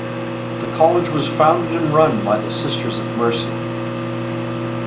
The college was founded and run by the Sisters of Mercy.